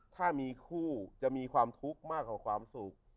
ถ้ามีคู่จะมีความทุกข์มากกว่าความสุข